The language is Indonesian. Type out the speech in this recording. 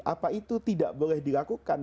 apa itu tidak boleh dilakukan